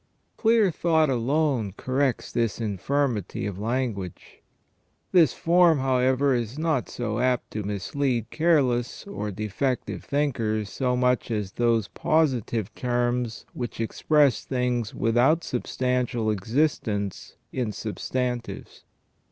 Clear thought alone corrects this infirmity of language. This form, however, is not so apt to mis lead careless or defective thinkers so much as those positive terms which express things without substantial existence in substantives.